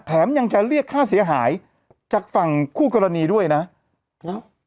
แถมยังจะเรียกค่าเสียหายจากฝั่งคู่กรณีด้วยนะแล้ว